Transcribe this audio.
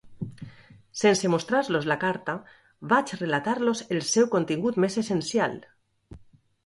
Sense mostrar-los la carta, vaig relatar-los el seu contingut més essencial.